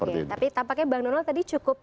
oke tapi tampaknya bang donald tadi cukup